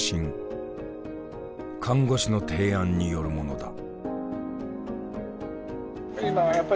看護師の提案によるものだ。